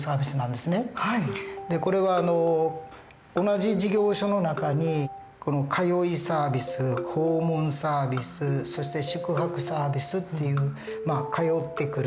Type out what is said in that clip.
これは同じ事業所の中に通いサービス訪問サービスそして宿泊サービスっていう通ってくる。